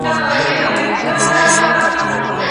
په لاس لیکلنه د ستړیا په وخت کي ذهن بوخت ساتي.